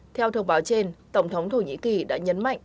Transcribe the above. theo thông báo trên tổng thống thổ nhĩ kỳ đã nhấn mạnh